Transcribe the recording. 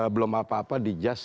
belum apa apa di just